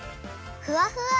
ふわふわ！